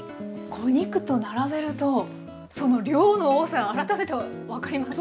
お肉と並べるとその量の多さ改めて分かりますね。